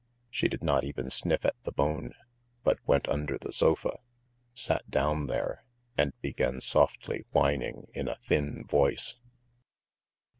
She did not even sniff at the bone, but went under the sofa, sat down there, and began softly whining in a thin voice.